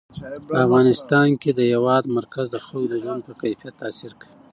په افغانستان کې د هېواد مرکز د خلکو د ژوند په کیفیت تاثیر کوي.